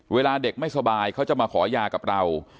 เวลาเด็กไม่สบายเขาจะมาขอยากับเรา